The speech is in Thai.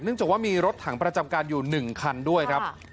เนื่องจากว่ามีรถถังประจำการอยู่หนึ่งคันด้วยครับ